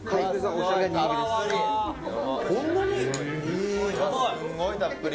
横尾：すごいたっぷり。